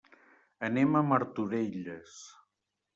Anem a Martorelles.